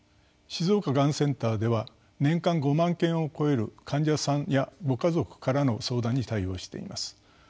静岡がんセンターでは年間５万件を超える患者さんやご家族からの相談に対応しています。